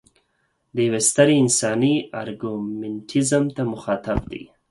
د یوې سترې انساني ارګومنټیزم ته مخاطب دی.